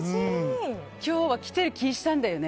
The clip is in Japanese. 今日は来てる気がしたんだよね。